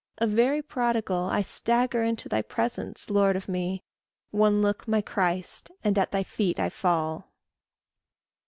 A very prodigal I stagger into thy presence, Lord of me: One look, my Christ, and at thy feet I fall!